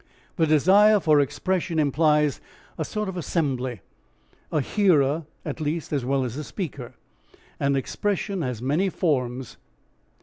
The desire for expression implies a sort of assembly, a hearer at least as well as a speaker. And expression has many forms.